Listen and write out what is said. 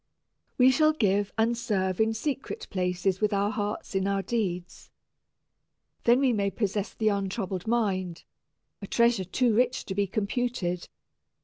We shall give and serve in secret places with our hearts in our deeds. Then we may possess the untroubled mind, a treasure too rich to be computed.